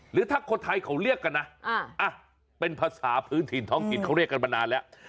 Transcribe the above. หรือถ้าคนไทยเขาเรียกกันนะเป็นภาษาพื้นถิ่นท้องถิ่นเขาเรียกกันมานานแล้ว